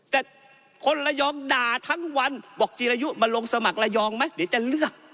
แต่คนระยองด่าทั้งวันบอกจีรายุมาลงสมัครระยองไหมเดี๋ยวจะเลือก